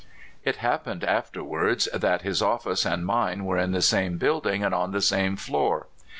It happened afterwards that his office and mine were in the same building and on the same floor.